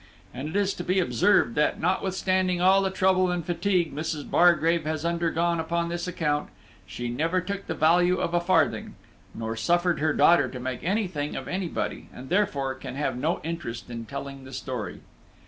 And it is to be observed that, notwithstanding all the trouble and fatigue Mrs. Bargrave has undergone upon this account, she never took the value of a farthing, nor suffered her daughter to take anything of anybody, and therefore can have no interest in telling the story.